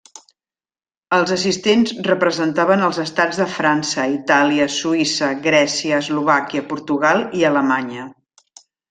Els assistents representaven els estats de França, Itàlia, Suïssa, Grècia, Eslovàquia, Portugal i Alemanya.